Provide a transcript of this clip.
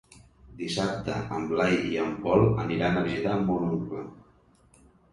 Dissabte en Blai i en Pol aniran a visitar mon oncle.